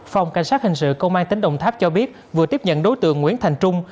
phòng cảnh sát hình sự công an tỉnh đồng tháp cho biết vừa tiếp nhận đối tượng nguyễn thành trung